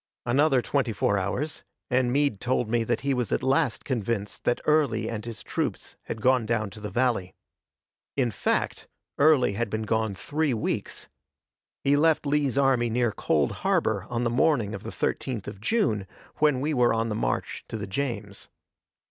Another twenty four hours, and Meade told me that he was at last convinced that Early and his troops had gone down the valley. In fact, Early had been gone three weeks. He left Lee's army near Cold Harbor on the morning of the 13th of June, when we were on the march to the James.